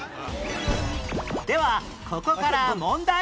ではここから問題